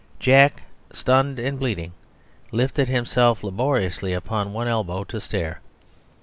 Jack, stunned and bleeding, lifted himself laboriously upon one elbow to stare.